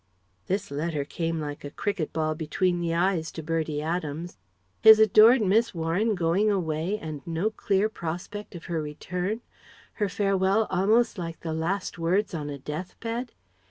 This letter came like a cricket ball between the eyes to Bertie Adams. His adored Miss Warren going away and no clear prospect of her return her farewell almost like the last words on a death bed....